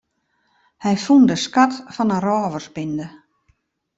Hy fûn de skat fan in rôversbinde.